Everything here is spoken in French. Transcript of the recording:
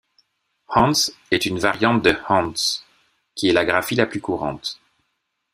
Hantz est une variante de Hans, qui est la graphie la plus courante.